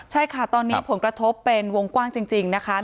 ใช่ค่ะตอนนี้ผลกระทบเป็นวงกว้างจริงนะคะ